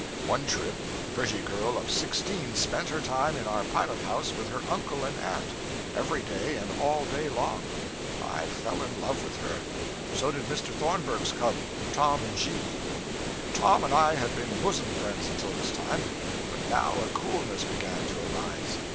One trip a pretty girl of sixteen spent her time in our pilot house with her uncle and aunt, every day and all day long. I fell in love with her. So did Mr. Thornburg's cub, Tom G . Tom and I had been bosom friends until this time; but now a coolness began to arise.